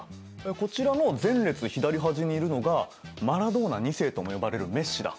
こちらも前列左端にいるのがマラドーナ２世とも呼ばれるメッシだ。